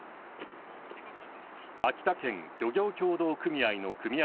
秋田県漁業協同組合の組合